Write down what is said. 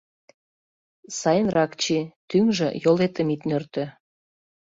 Сайынрак чий, тӱҥжӧ — йолетым ит нӧртӧ.